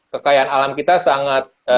kekayaan alam kita sangat